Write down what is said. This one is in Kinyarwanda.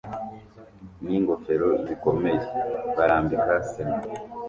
ningofero zikomeye barambika sima